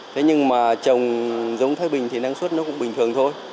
thế nhưng mà trồng giống thái bình thì năng suất nó cũng bình thường thôi